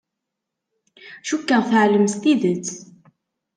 Cukkeɣ teɛlem s tidet.